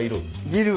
いる！